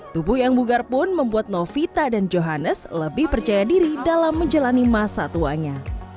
tubuh yang bugar pun membuat novita dan johannes lebih percaya diri dalam menjalani masa tuanya